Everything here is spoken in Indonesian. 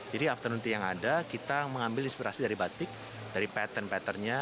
jadi after nanti yang ada kita mengambil inspirasi dari batik dari pattern patternnya